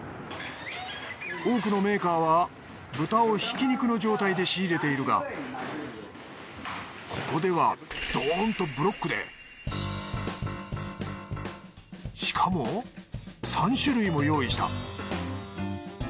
多くのメーカーは豚をひき肉の状態で仕入れているがここではドーンッとしかも３種類も用意した。